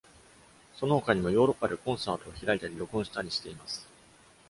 そのほかにも、ヨーロッパでコンサートを開いたり録音したりしています。